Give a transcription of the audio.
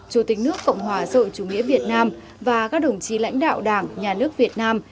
chủ tịch nước cộng hòa rồi chủ nghĩa việt nam và các đồng chí lãnh đạo đảng nhà nước việt nam